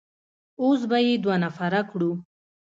اوس به يې دوه نفره کړو.